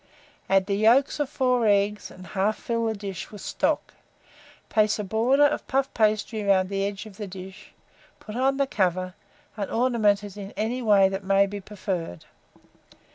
Add the yolks of 4 eggs, and half fill the dish with stock; place a border of puff paste round the edge of the dish, put on the cover, and ornament it in any way that may be preferred.